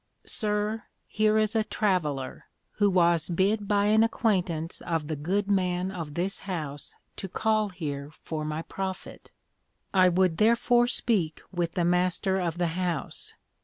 Sir, here is a Traveller, who was bid by an acquaintance of the good man of this house to call here for my profit; I would therefore speak with the Master of the house.